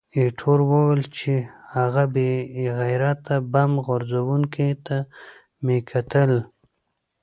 ایټور وویل چې، هغه بې غیرته بم غورځوونکي ته مې کتل.